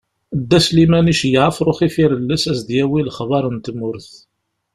Dda Sliman iceyyeɛ afrux ifirelles ad s-d-yawi lexbar n tmurt.